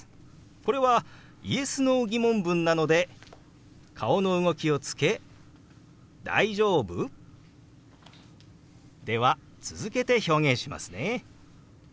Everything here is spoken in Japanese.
これはＹｅｓ／Ｎｏー疑問文なので顔の動きをつけ「大丈夫？」。では続けて表現しますね。